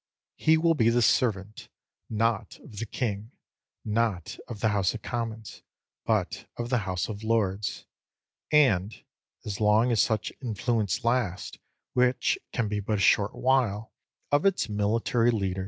He will be the servant, not of the King, not of the House of Commons, but of the House of Lords, and (as long as such influence lasts, which can be but a short while), of its military leader.